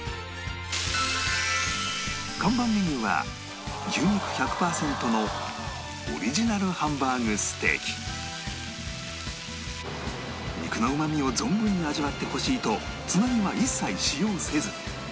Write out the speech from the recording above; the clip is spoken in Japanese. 看板メニューは牛肉１００パーセントの肉のうまみを存分に味わってほしいとつなぎは一切使用せず